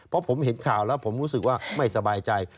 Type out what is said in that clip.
เพราะผมเห็นข่าวแล้วผมรู้สึกว่าไม่สบายใจ